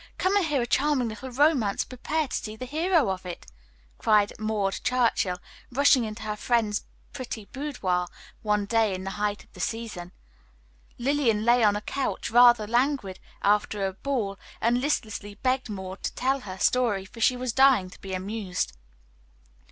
Come and hear a charming little romance, and prepare to see the hero of it!" cried Maud Churchill, rushing into her friend's pretty boudoir one day in the height of the season. Lillian lay on a couch, rather languid after a ball, and listlessly begged Maud to tell her story, for she was dying to be amused.